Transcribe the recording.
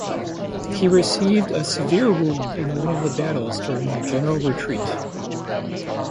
He received a severe wound in one of the battles during the general retreat.